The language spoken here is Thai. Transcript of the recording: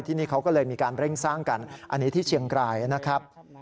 ที่นี่เขาก็เลยมีการเร่งสร้างกันอันนี้ที่เชียงรายนะครับ